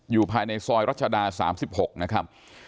อยู่ในซอยรัชดา๓๖นะครับ